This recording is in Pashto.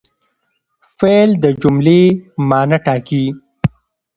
فعل د جملې مانا ټاکي.